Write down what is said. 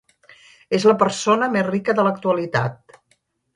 És la persona més rica de l’actualitat.